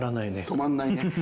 止まんないね。